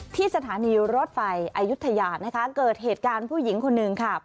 ที่สถานีรถไฟอายุทยานะคะเกิดเหตุการณ์ผู้หญิงคนหนึ่งค่ะ